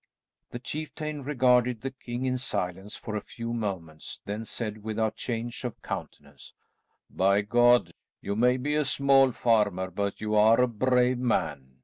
The chieftain regarded the king in silence for a few moments, then said without change of countenance, "By God! you may be a small farmer, but you are a brave man.